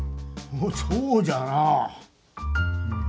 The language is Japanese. おそうじゃな。